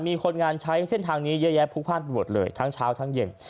มีคนงานใช้เส้นทางนี้เยอะแยะพลุกพลาดไปหมดเลยทั้งเช้าทั้งเย็น